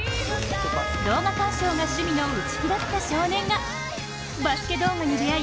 動画鑑賞が趣味の内気だった少年が、バスケ動画に出会い